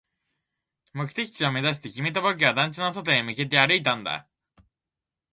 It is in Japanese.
目的地を目指して、君と僕は団地の外へ向けて歩いたんだ